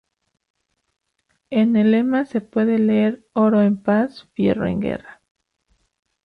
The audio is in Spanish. En el lema se puede leer "Oro en paz, fierro en guerra".